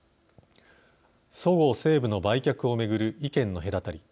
そごう・西武の売却を巡る意見の隔たり。